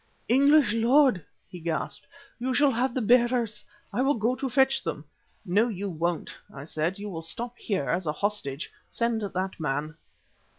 "English lord," he gasped, "you shall have the bearers. I will go to fetch them." "No, you won't," I said, "you will stop here as a hostage. Send that man."